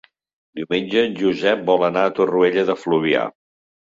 Diumenge en Josep vol anar a Torroella de Fluvià.